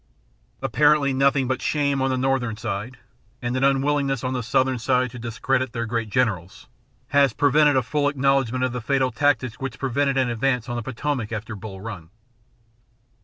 Apparently nothing but shame on the Northern side, and an unwillingness on the Southern side to discredit their great generals, has prevented a full acknowledgment of the fatal tactics which prevented an advance on the Potomac after Bull Run.